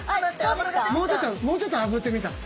もうちょっともうちょっとあぶってみたら？